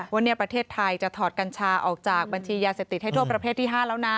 วันนี้ประเทศไทยจะถอดกัญชาออกจากบัญชียาเสพติดให้โทษประเภทที่๕แล้วนะ